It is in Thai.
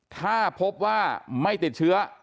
ถ้าพบว่าไม่ติดเชื้อ